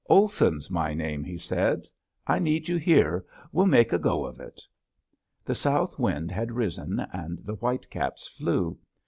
"Olson's my name," he said, "I need you here. We'll make a go of it." The south wind had risen and the white caps flew.